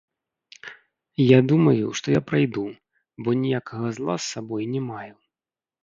Я думаю, што я прайду, бо ніякага зла з сабой не маю.